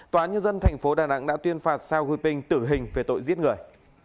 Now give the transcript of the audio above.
tòa nhân dân thành phố đà nẵng đã tuyên phạt sao gu ping tử hình về tội giết người